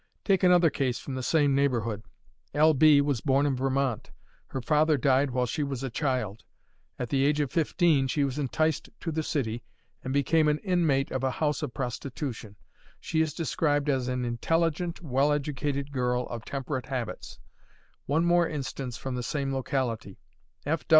Take another case from the same neighborhood. L. B. was born in Vermont; her father died while she was a child. At the age of fifteen she was enticed to the city, and became an inmate of a house of prostitution. She is described as an intelligent, well educated girl, of temperate habits. One more instance from the same locality.